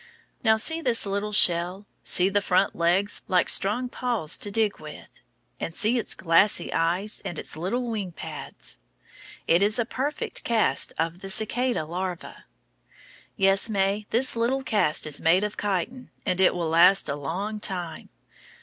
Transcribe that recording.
Now, see this little shell. See the front legs, like strong paws to dig with. And see its little glassy eyes, and its little wing pads! It is a perfect cast of the cicada larva. Yes, May, this little cast is made of chitin, and it will last a long time.